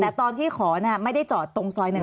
แต่ตอนที่ขอนะไม่ได้จอดตรงสอยหนึ่ง